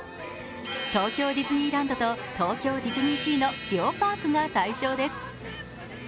東京ディズニーランドと東京ディズニーシーの両パークが対象です。